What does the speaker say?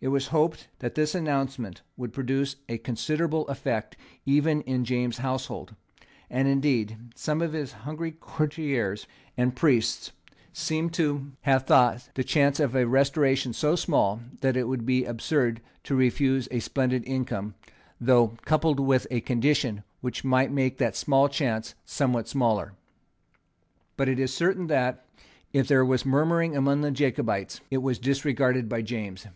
It was hoped that this announcement would produce a considerable effect even in James's household; and indeed some of his hungry courtiers and priests seem to have thought the chance of a restoration so small that it would be absurd to refuse a splendid income, though coupled with a condition which might make that small chance somewhat smaller. But it is certain that, if there was murmuring among the Jacobites, it was disregarded by James.